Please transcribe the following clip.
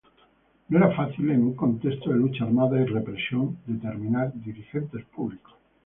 No era fácil en un contexto de lucha armada y represión determinar dirigentes públicos.